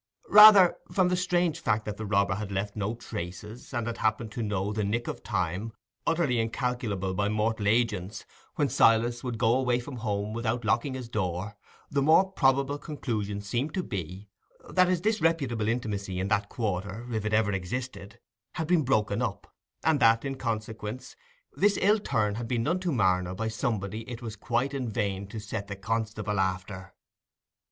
Rather, from the strange fact that the robber had left no traces, and had happened to know the nick of time, utterly incalculable by mortal agents, when Silas would go away from home without locking his door, the more probable conclusion seemed to be, that his disreputable intimacy in that quarter, if it ever existed, had been broken up, and that, in consequence, this ill turn had been done to Marner by somebody it was quite in vain to set the constable after.